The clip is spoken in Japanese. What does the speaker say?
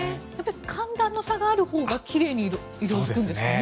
寒暖の差があるほうが奇麗に色付くんですかね。